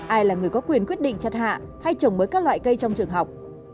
ai là người có quyền quyết định chặt hạ hay trồng mới các loại cây trong trường học